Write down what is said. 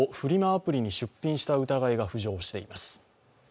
アプリに出品した疑いが浮上しています。